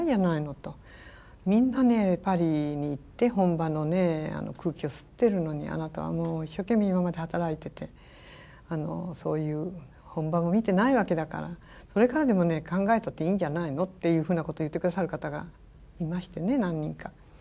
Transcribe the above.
みんなねパリに行って本場の空気を吸ってるのにあなたは一生懸命今まで働いててそういう本場も見てないわけだからそれからでも考えたっていいんじゃないのっていうふうなことを言って下さる方がいましてね何人か。